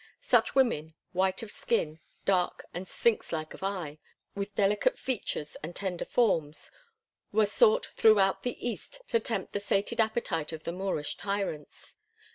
Such women, white of skin, dark and sphinxlike of eye, with delicate features and tender forms, were sought throughout the East to tempt the sated appetite of the Moorish tyrants.